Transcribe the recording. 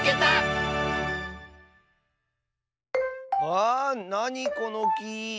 あなにこのき？